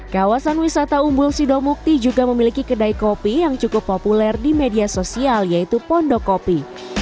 kawasan wisata umbul sidomukti juga memiliki kedai kopi yang cukup populer di media sosial yaitu pondok kopi